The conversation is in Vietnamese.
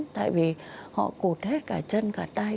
tại vì họ cụt hết cả chân cả tay